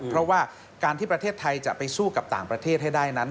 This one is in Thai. เพราะว่าการที่ประเทศไทยจะไปสู้กับต่างประเทศให้ได้นั้น